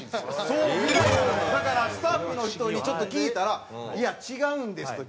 そうみたいだからスタッフの人にちょっと聞いたら「いや違うんです」と。